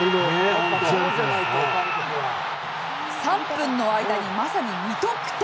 ３分の間にまさに２得点！